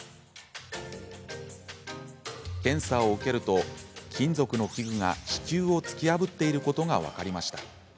検査を受けると、金属の器具が子宮を突き破っていることが分かりました。